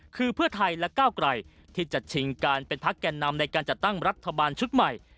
คือเพื่อไทยและก้าวไกลที่จะชิงการเป็นพักแก่นำในการจัดตั้งรัฐบาลชุดใหม่